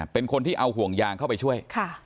เป็นคนที่เอาห่วงยางเข้าไปช่วย